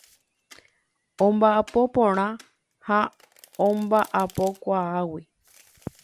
Omba'apo porã ha omba'apokuaágui.